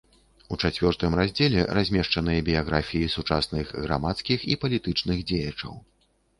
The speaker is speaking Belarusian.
У чацвёртым раздзеле змешчаныя біяграфіі сучасных грамадскіх і палітычных дзеячаў.